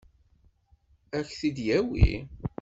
Ad k-t-id-yawi?